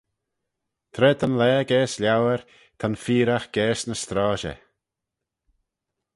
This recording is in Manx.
Tra ta'n laa gaas lauyr ta'n feeragh gaase ny strosey.